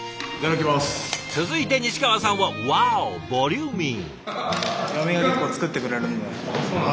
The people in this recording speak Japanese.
続いて西川さんはワオボリューミー。